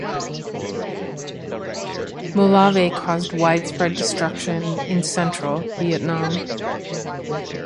Molave caused widespread destruction in Central Vietnam.